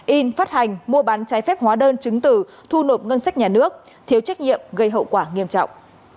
in phát hành mua bán trái phép hóa đơn chứng tử thu nộp ngân sách nhà nước thiếu trách nhiệm gây hậu quả nghiêm trọng